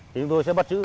chúng tôi sẽ bắt giữ